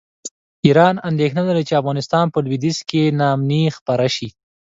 ایران اندېښنه لري چې د افغانستان په لویدیځ کې ناامني خپره شي.